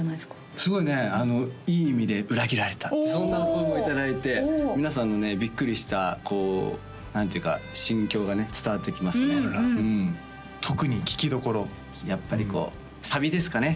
すごいねいい意味で裏切られたそんなお声もいただいて皆さんのねビックリしたこう何ていうか心境がね伝わってきますね特に聴きどころやっぱりこうサビですかね